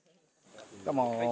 どうも。